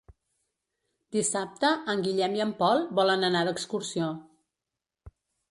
Dissabte en Guillem i en Pol volen anar d'excursió.